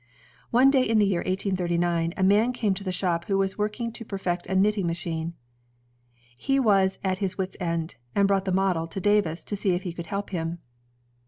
One day in the year 1839, a man came to the shop who was working to perfect a knitting machine. He was at his wit's ends, and brought the model to Davis to see if he could help him.